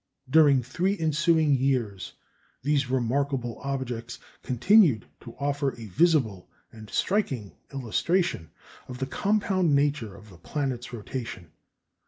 During three ensuing years these remarkable objects continued to offer a visible and striking illustration of the compound nature of the planet's rotation.